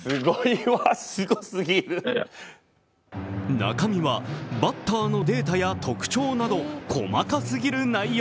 中身はバッターのデータや特徴など、細かすぎる内容。